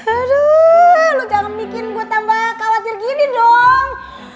aduh lu jangan bikin gue tambah khawatir gini dong